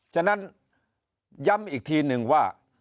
ฉะนั้นย้ำอีกทีหนึ่งว่า